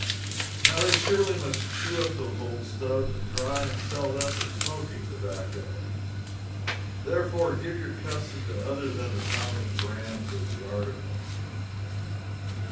Now, they surely must chew up those old stubs, and dry and sell them for smoking tobacco. Therefore, give your custom to other than Italian brands of the article.